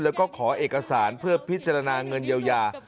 แล้วก็ขอเอกสารเพื่อพิจารณาเงินเยียวยา